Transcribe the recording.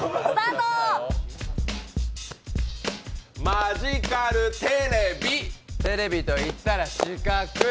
マジカルテレビテレビといったら四角い。